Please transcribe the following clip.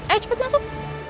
ayo cepet masuk